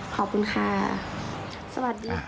ขอบคุณค่ะสวัสดีค่ะ